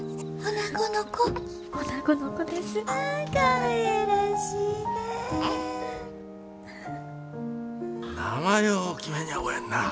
名前ぉ決めにゃあおえんなあ。